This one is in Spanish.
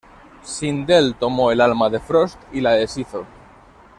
Sindel tomó el alma de Frost y la deshizo.